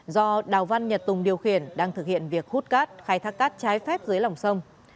do đào văn nhật tùng điều khiển đang thực hiện việc hút cát khai thác cát trái phép dưới lòng sông